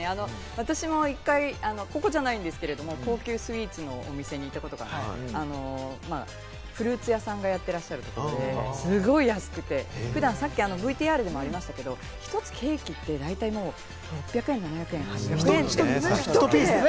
私も１回、ここじゃないんですけれども、高級スイーツのお店に行ったことがあって、フルーツ屋さんがやってるところですごい安くて、さっきのＶＴＲでもありましたけれども、１つケーキって、大体６００円７００円しますよね。